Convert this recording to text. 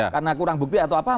karena kurang bukti atau apa